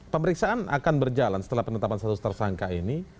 pemeriksaan akan berjalan setelah penetapan status tersangka ini